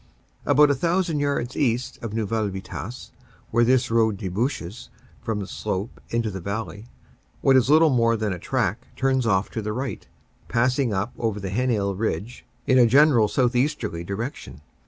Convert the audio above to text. About a thousand yards east of Neuville Vitasse, where this road debouches from the slope into the valley, what is little more than a track turns off to the right, passing up over the Heninel Ridge in a general southeasterly direction.